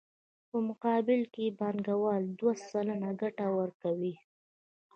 په مقابل کې یې بانکوال دوه سلنه ګټه ورکوي